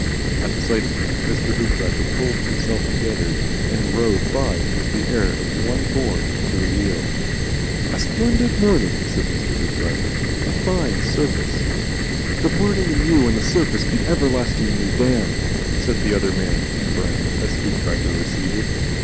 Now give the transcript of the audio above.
At the sight of him Mr. Hoopdriver pulled himself together, and rode by with the air of one born to the wheel. "A splendid morning," said Mr. Hoopdriver, "and a fine surface." "The morning and you and the surface be everlastingly damned!" said the other man in brown as Hoopdriver receded.